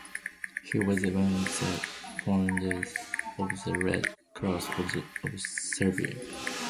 He was one of the founders of the Red Cross of Serbia.